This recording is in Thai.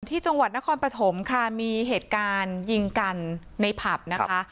ที่จังหวัดนครปฐมค่ะมีเหตุการณ์ยิงกันในผับนะคะ